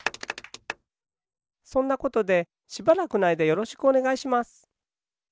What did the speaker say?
そんなことでしばらくのあいだよろしくおねがいします。